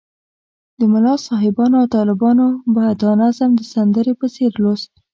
ملا صاحبانو او طالبانو به دا نظم د سندرې په څېر لوست.